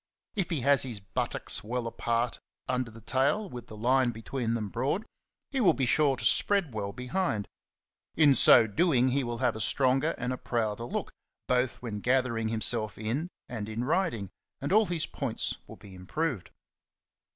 If he has his buttocks well apart under the tail with the line between them broad, he will be sure to spread well behind ; in so doing he will have a stronger and a prouder look, both when gathering himself in '^ and in riding, and all his points will be improved.